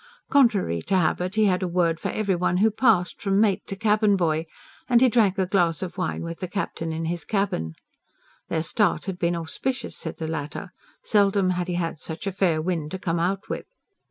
Contrary to habit, he had a word for every one who passed, from mate to cabin boy, and he drank a glass of wine with the Captain in his cabin. Their start had been auspicious, said the latter; seldom had he had such a fair wind to come out with.